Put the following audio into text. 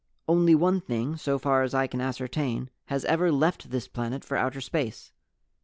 "Only one thing, so far as I can ascertain, has ever left this planet for outer space.